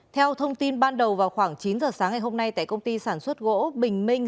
theo thông tin ban đầu vào khoảng chín giờ sáng ngày hôm nay tại công ty sản xuất gỗ bình minh